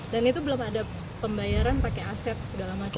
dan itu belum ada pembayaran pakai aset segala macam